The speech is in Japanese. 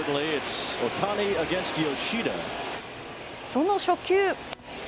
その初球。